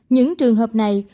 những trường hợp này